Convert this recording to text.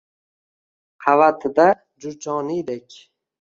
Qavatida Jurjoniydek